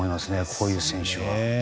こういう選手は。